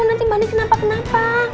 nanti bandit kenapa kenapa